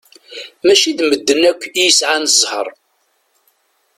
Mačči d medden akk i yesɛan zzher.